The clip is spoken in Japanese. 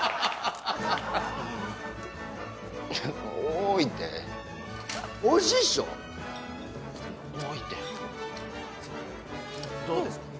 多いておいしいっしょどうですか？